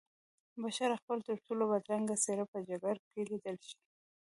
بشر خپله ترټولو بدرنګه څېره په جګړه کې لیدلی شي